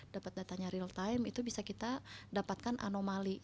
dapat datanya real time itu bisa kita dapatkan anomali